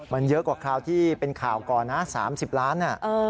มันเยอะกว่าคราวที่เป็นข่าวก่อนนะ๓๐ล้าน